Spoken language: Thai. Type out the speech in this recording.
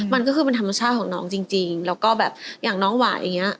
มันก็คือเป็นธรรมชาติของน้องจริงแล้วก็แบบอย่างน้องหวายอย่างเงี้